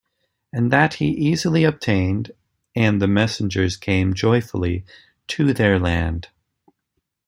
And that he easily obtained; and the messengers came joyfully to their land.